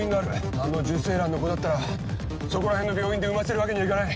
あの受精卵の子だったらそこら辺の病院で産ませるわけにはいかない。